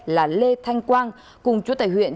là lê thanh quang cùng chúa tài huyện